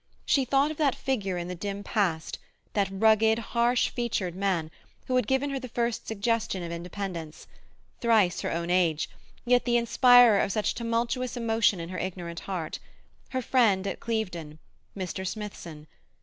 She thought of that figure in the dim past, that rugged, harsh featured man, who had given her the first suggestion of independence; thrice her own age, yet the inspirer of such tumultuous emotion in her ignorant heart; her friend at Clevedon—Mr. Smithson.